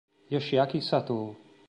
Yoshiaki Satō